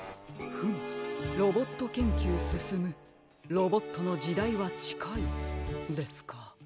フム「ロボットけんきゅうすすむロボットのじだいはちかい」ですか。